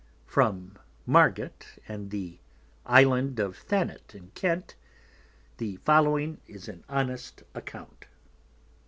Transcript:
From Margate, and the Island of Thanet in Kent, the following is an honest Account.